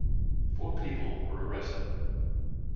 Four people were arrested.